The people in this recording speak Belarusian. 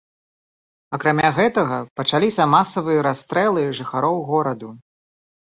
Акрамя гэтага, пачаліся масавыя расстрэлы жыхароў гораду.